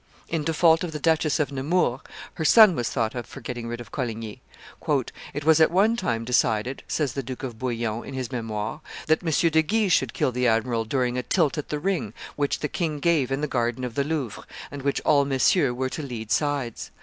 In default of the Duchess of Nemours, her son was thought of for getting rid of Coligny. "It was at one time decided," says the Duke de Bouillon in his Memoires, "that M. de Guise should kill the admiral during a tilt at the ring which the king gave in the garden of the Louvre, and in which all Messieurs were to lead sides.